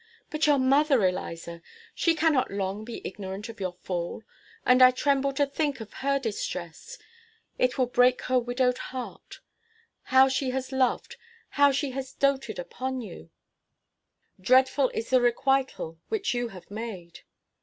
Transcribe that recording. But your mother, Eliza! She cannot long be ignorant of your fall; and I tremble to think of her distress. It will break her widowed heart. How has she loved, how has she doted upon you! Dreadful is the requital which you have made."